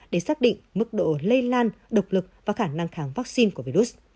để xác định mức độ lây lan độc lực và khả năng kháng vaccine của virus